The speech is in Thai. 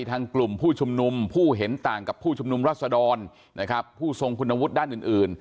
กลุ่มผู้ชุมนุมผู้เห็นต่างกับผู้ชุมนุมรัศดรนะครับผู้ทรงคุณวุฒิด้านอื่นอื่น